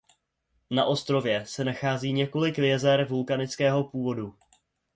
Na ostrově se nachází několik jezer vulkanického původu.